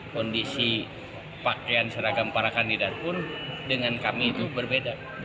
kondisi pakaian seragam para kandidat pun dengan kami itu berbeda